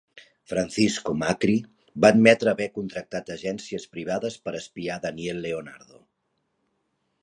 Francisco Macri va admetre haver contractat agències privades per espiar Daniel Leonardo.